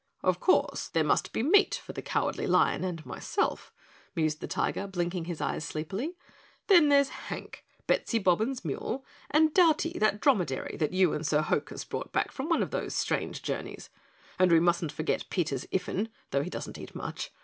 "Of course, there must be meat for the Cowardly Lion and myself," mused the Tiger, blinking his eyes sleepily. "Then there's Hank, Bettsy Bobbin's Mule, and Doubty, that dromedary you and Sir Hokus brought back from one of those strange journeys; and we mustn't forget Peter's Iffin, though he doesn't eat much.